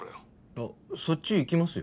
あっそっち行きますよ。